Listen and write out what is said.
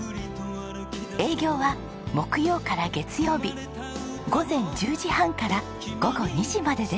営業は木曜から月曜日午前１０時半から午後２時までです。